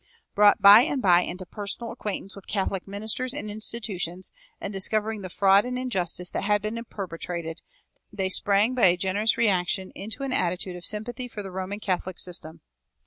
Brought by and by into personal acquaintance with Catholic ministers and institutions, and discovering the fraud and injustice that had been perpetrated, they sprang by a generous reaction into an attitude of sympathy for the Roman Catholic system.